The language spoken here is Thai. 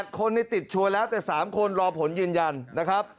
คนติดชัวร์แล้วแต่๓คนรอผลยืนยันนะครับ